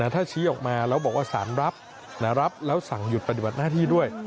ถ้าชี้ออกมาแล้วบอกว่าสารรับรับแล้วสั่งหยุดปฏิบัติหน้าที่ด้วย